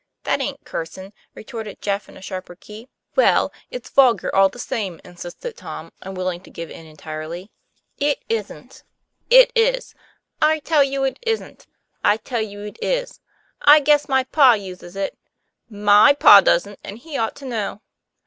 ' That aint cursin'," retorted Jeff in a sharper key. "Well, it's vulgar all the same," insisted Tom, unwilling to give in entirely. "It isn't." 20 TOM PLA YFAIR. "It is." "I tell you it isn't." "I tell you it is." " I guess my pa uses it." "My pa doesn't, and he ought to know."